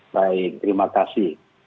baik terima kasih